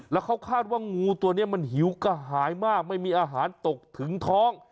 แล้วเขาคาดว่างูตัวนี้มันหิวกระหายมากไม่มีอาหารตกถึงท้อง